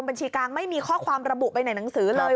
บัญชีกลางไม่มีข้อความระบุไปในหนังสือเลย